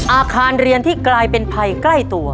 อาคารเรียนที่กลายเป็นภัยใกล้ตัว